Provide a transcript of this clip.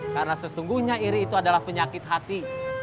karena sesungguhnya iri itu adalah penyakit hati